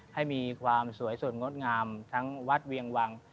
ให้มีความสวยสดงดงามทั้งวัดเวียงวัง